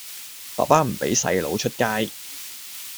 爸爸唔畀細佬出街